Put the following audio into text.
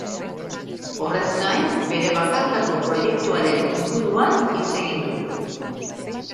Horrez gain, bere bakarkako proiektuaren inguruan hitz egin dugu.